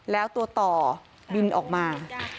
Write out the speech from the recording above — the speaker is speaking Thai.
แล้วตัวต่อบินออกมา